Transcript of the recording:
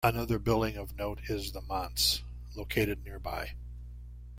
Another building of note is The Manse, located nearby.